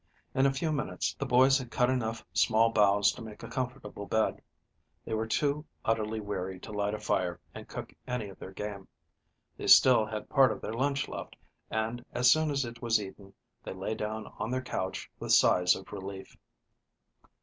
In a few minutes the boys had cut enough small boughs to make a comfortable bed. They were too utterly weary to light a fire and cook any of their game. They still had part of their lunch left, and, as soon as it was eaten, they lay down on their couch with sighs of relief.